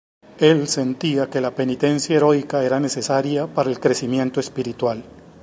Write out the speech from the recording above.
Él sentía que la penitencia heroica era necesaria para el crecimiento espiritual.